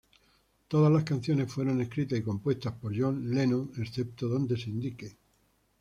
Todas las canciones fueron escritas y compuestas por John Lennon, excepto donde se indique.